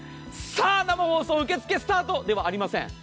生放送受け付けスタートではありません。